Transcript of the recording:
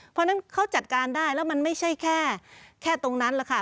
เพราะฉะนั้นเขาจัดการได้แล้วมันไม่ใช่แค่ตรงนั้นแหละค่ะ